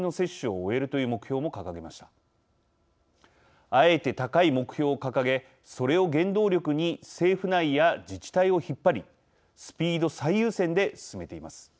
あえて高い目標を掲げそれを原動力に政府内や自治体を引っ張りスピード最優先で進めています。